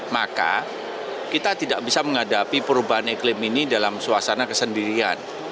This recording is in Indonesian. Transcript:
maka kita tidak bisa menghadapi perubahan iklim ini dalam suasana kesendirian